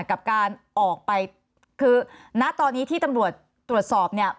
กับการออกไปคือณตอนนี้ที่ตำรวจตรวจสอบเนี่ย